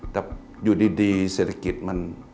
แต่อยู่ดีเศรษฐกิจมัน